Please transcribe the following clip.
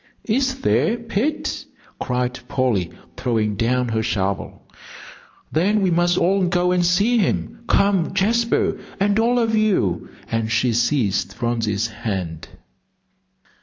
"Is there, Pet?" cried Polly, throwing down her shovel, "then we must all go and see him. Come, Jasper, and all of you," and she seized Phronsie's hand.